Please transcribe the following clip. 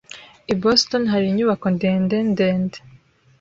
I Boston hari inyubako ndende ndende.